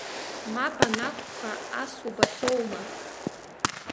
Мап анакәха, ас убахьоума?!